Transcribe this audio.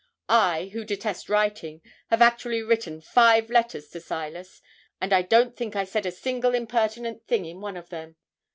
I, who detest writing, have actually written five letters to Silas; and I don't think I said a single impertinent thing in one of them!